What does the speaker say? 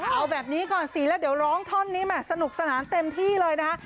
เอาแบบนี้ก่อนสิแล้วเดี๋ยวร้องท่อนนี้แหม่สนุกสนานเต็มที่เลยนะคะ